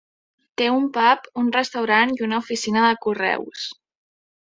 Té un pub, un restaurant i una oficina de correus.